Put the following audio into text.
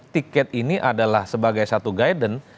tiket ini adalah sebagai satu guidance